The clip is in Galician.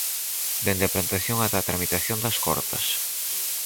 Dende a plantación ata a tramitación das cortas.